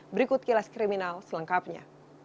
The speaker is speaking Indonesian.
berikut kilas kriminal selengkapnya